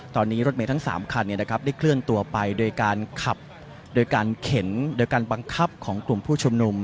ตอนนี้รถเมย์ทั้ง๓คันได้เคลื่อนตัวไปโดยการขับโดยการเข็นโดยการบังคับของกลุ่มผู้ชุมนุม